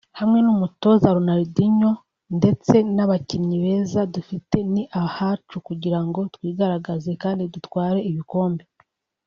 Hamwe n’umutoza Ronaldo ndetse n’abakinnyi beza dufite ni ahacu kugira ngo twigaragaze kandi dutware ibikombe